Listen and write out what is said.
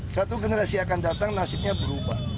satu generasi akan datang nasibnya berubah